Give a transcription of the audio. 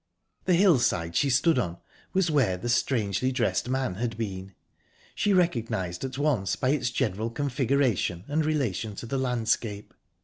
The hillside she stood on was where the strangely dressed man had been; she recognised at once by its general configuration and relation to the landscape.